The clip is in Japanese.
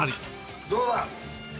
どうだ！